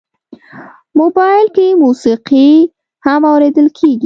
موبایل کې موسیقي هم اورېدل کېږي.